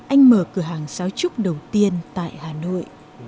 anh mở cửa hàng xáo trúc đầu tiên tại hà nội